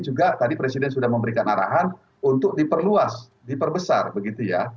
juga tadi presiden sudah memberikan arahan untuk diperluas diperbesar begitu ya